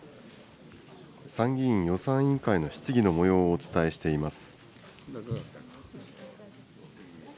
参議院予算委員会の質疑のもようをお伝えしています。